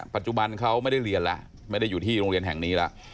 ปัจจุบันเขาไม่ได้เรียนแล้วไม่ได้อยู่ที่โรงเรียนแห่งนี้แล้ว